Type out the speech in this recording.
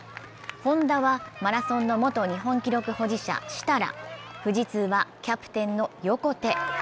Ｈｏｎｄａはマラソンの元日本記録保持者・設楽、富士通はキャプテンの横手。